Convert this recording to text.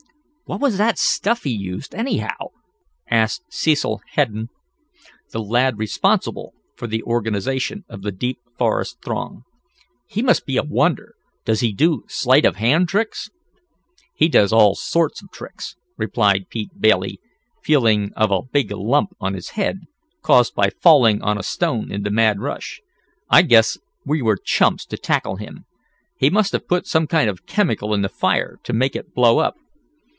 "What was that stuff he used, anyhow?" asked Cecil Hedden, the lad responsible for the organization of the Deep Forest Throng. "He must be a wonder. Does he do sleight of hand tricks?" "He does all sorts of tricks," replied Pete Bailey, feeling of a big lump on his head, caused by falling on a stone in the mad rush. "I guess we were chumps to tackle him. He must have put some kind of chemical in the fire, to make it blow up."